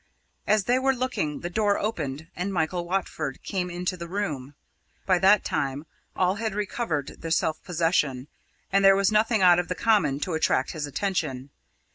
As they were looking, the door opened and Michael Watford came into the room. By that time all had recovered their self possession, and there was nothing out of the common to attract his attention.